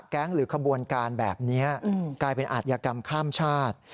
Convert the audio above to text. หรือขบวนการแบบนี้กลายเป็นอาธิกรรมข้ามชาติ